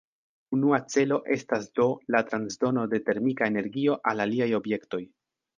Unua celo estas do la transdono de termika energio al aliaj objektoj.